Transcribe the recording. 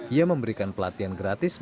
dia memberikan pelatihan gratis berutang